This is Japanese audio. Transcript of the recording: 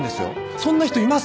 そんな人います？